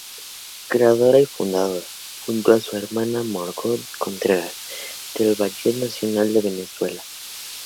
Creadora y fundadora, junto a su hermana Margot Contreras, del Ballet Nacional de Venezuela.